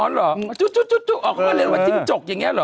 อ๋อเหรอจุ๊กจุ๊กจุ๊กจุ๊กอ๋อเขาเรียกว่าจิ๊กจกอย่างนี้เหรอ